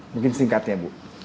mungkin singkatnya ibu